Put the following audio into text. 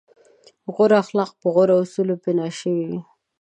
غوره اخلاق په غوره اصولو بنا شوي وي.